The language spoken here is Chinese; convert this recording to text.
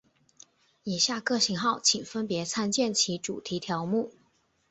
以下各型号请分别参见其主题条目。